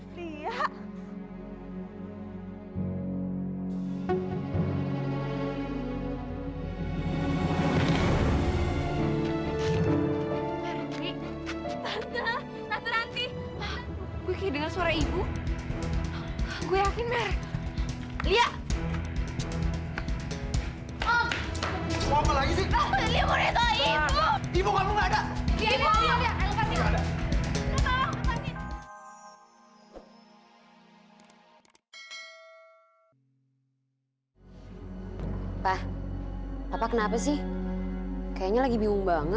sampai jumpa di video selanjutnya